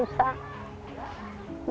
saya sering nangis mikirin waktu adaannya